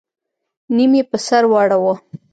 نيم يې په سر واړوه.